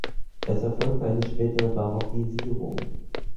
Es erfolgte eine spätere Barockisierung.